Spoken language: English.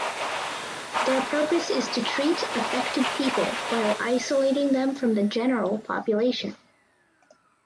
Their purpose is to treat affected people while isolating them from the general population.